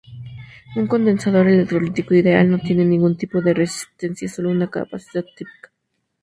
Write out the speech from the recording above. Un condensador electrolítico "ideal" no tiene ningún tipo de resistencia, sólo una capacidad típica.